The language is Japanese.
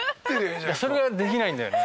それができないんだよね。